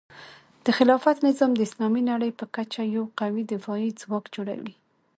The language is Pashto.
د خلافت نظام د اسلامي نړۍ په کچه یو قوي دفاعي ځواک جوړوي.